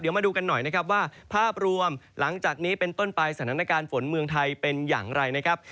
มาดูกันหน่อยนะครับว่าภาพรวมหลังจากนี้เป็นต้นไปสถานการณ์ฝนเมืองไทยเป็นอย่างไรนะครับ